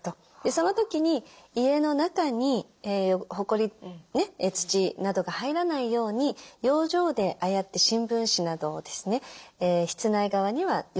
その時に家の中にほこり土などが入らないように養生でああやって新聞紙などをですね室内側には養生して頂くと。